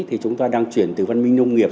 thì chúng ta đang chuyển từ văn minh nông nghiệp